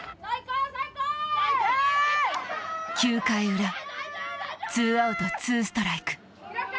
９回ウラ、ツーアウト２ストライク。